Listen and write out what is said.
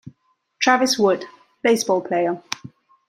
Travis Wood - baseball player.